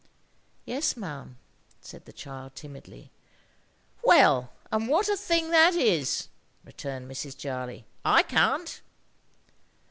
"Yes, ma'am," said the child timidly. "Well, and what a thing that is!" returned Mrs. Jarley. "I can't."